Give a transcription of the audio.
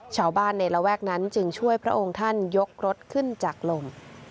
ชาวบ้านในระแวกนั้นจึงช่วยพระองค์ท่านยกรถขึ้นจากลม